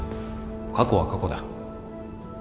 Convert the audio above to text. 過去は過去だ。